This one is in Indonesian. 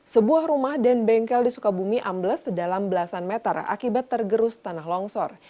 sebuah rumah dan bengkel di sukabumi ambles sedalam belasan meter akibat tergerus tanah longsor